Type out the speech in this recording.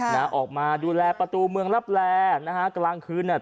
นะออกมาดูแลประตูเมืองรับแลนะฮะกลางคืนอ่ะ